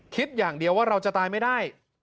คิดอย่างเดียวว่าเราจะตายไม่ได้